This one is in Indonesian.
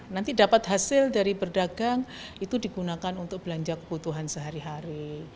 nanti dapat hasil dari berdagang itu digunakan untuk belanja kebutuhan sehari hari